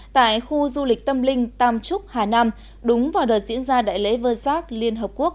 tại khu du lịch tâm linh tam trúc hà nam đúng vào đợt diễn ra đại lễ vơ giác liên hợp quốc hai nghìn một mươi chín